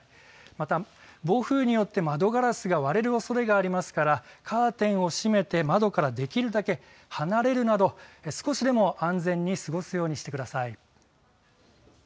また暴風によって窓ガラスが割れるおそれがありますからカーテンを閉めて窓からできるだけ離れるなど少しでも安全に過ごすようにしてください。